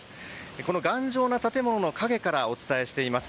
この頑丈な建物の陰からお伝えしています。